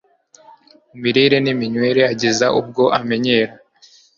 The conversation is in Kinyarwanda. mu mirire niminywere ageza ubwo amenyera